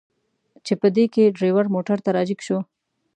چې په دې کې ډریور موټر ته را جګ شو.